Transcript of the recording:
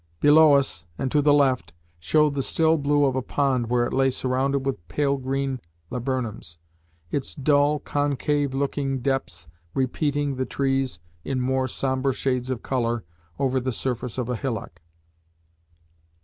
Below us, and to the left, showed the still blue of a pond where it lay surrounded with pale green laburnums its dull, concave looking depths repeating the trees in more sombre shades of colour over the surface of a hillock.